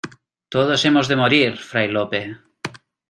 ¡ todos hemos de morir, Fray Lope!...